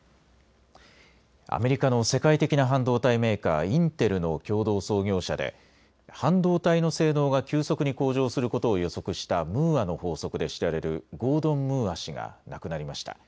アメリカの世界的な半導体メーカー、インテルの共同創業者で半導体の性能が急速に向上することを予測したムーアの法則で知られるゴードン・ムーア氏が亡くなりました。